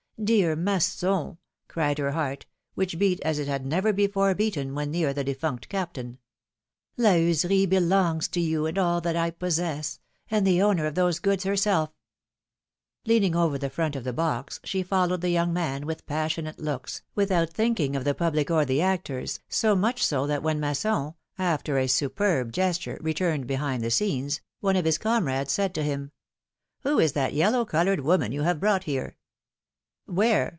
Dear Masson ! cried her heart, which beat as it had never before beaten when near the defunct Captain ; La Heuserie belongs to you, and all that I possess, and the owner of those goods herself ! Leaning over the front of the box, she followed the young man with passionate looks, without thinking of the public or the actors, so much so that when Masson, after a superb gesture, returned behind the scenes, one of his comrades said to him : Who is that yellow colored woman you have brought here?^^ Where